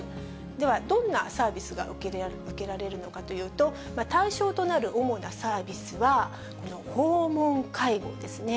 ではどんなサービスが受けられるのかというと、対象となる主なサービスは、この訪問介護ですね。